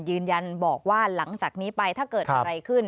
ยืนยันบอกว่าหลังจากนี้ไปถ้าเกิดอะไรขึ้น